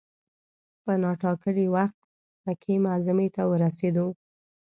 په نا ټا کلي وخت مکې معظمې ته ورسېدو.